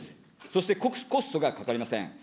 そしてコストがかかりません。